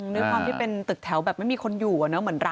ด้วยความที่เป็นตึกแถวแบบไม่มีคนอยู่อะเนาะเหมือนเรา